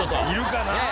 いるかな？